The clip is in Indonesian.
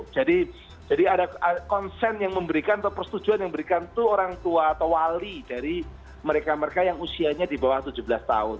jadi ada konsen yang memberikan atau persetujuan yang memberikan itu orang tua atau wali dari mereka mereka yang usianya di bawah tujuh belas tahun